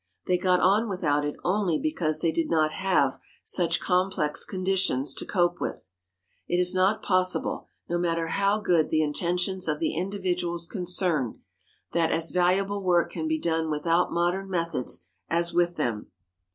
They got on without it only because they did not have such complex conditions to cope with. It is not possible, no matter how good the intentions of the individuals concerned, that as valuable work can be done without modern methods as with them.